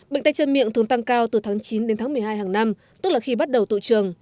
bệnh tay chân miệng thường tăng cao từ tháng chín đến tháng một mươi hai hàng năm tức là khi bắt đầu tụ trường